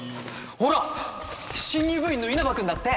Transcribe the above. ほら新入部員の稲葉君だって。